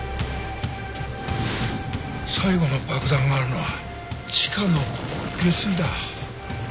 最後の爆弾があるのは地下の下水だ。